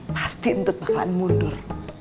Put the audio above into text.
pasti untuk bakalan mundur